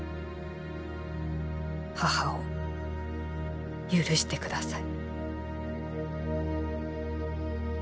母を許してください」。